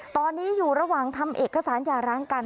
ตอนนี้อยู่ระหว่างทำเอกสารหย่าร้างกัน